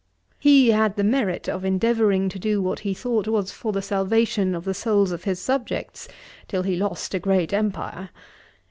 He had the merit of endeavouring to do what he thought was for the salvation of the souls of his subjects, till he lost a great Empire.